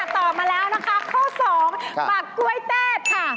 ตอบมาแล้วนะคะข้อ๒ปากกล้วยเต้ค่ะ